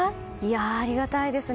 ありがたいですね。